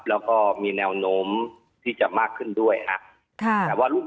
แล้วก็มีแนวโน้มที่จะมากขึ้นด้วยครับ